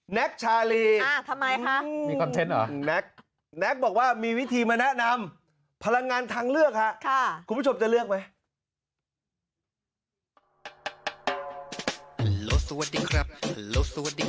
แน็คชาลีแน็คบอกว่ามีวิธีมาแนะนำพลังงานทางเลือกครับคุณผู้ชมจะเลือกไหม